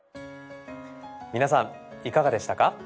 皆さんいかがでしたか？